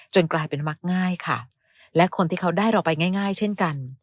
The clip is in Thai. กลายเป็นมักง่ายค่ะและคนที่เขาได้เราไปง่ายเช่นกัน